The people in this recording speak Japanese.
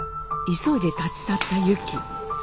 急いで立ち去ったユキ。